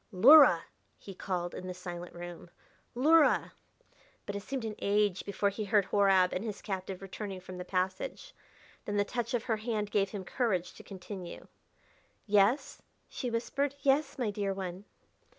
"Luhra!" he called in the silent room. "Luhra!" But it seemed an age before he heard Horab and his captive returning from the passage. Then the touch of her hand gave him courage to continue. "Yes?" she whispered; "yes, my dear one?"